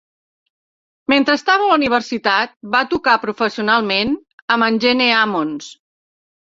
Mentre estava a la universitat, va tocar professionalment amb en Gene Ammons.